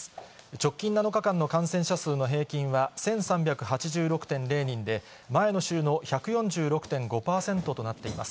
直近７日間の感染者数の平均は１３８６．０人で、前の週の１４６．５％となっています。